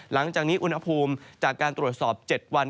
หลังจากนี้อุณหภูมิจากการตรวจสอบ๗วัน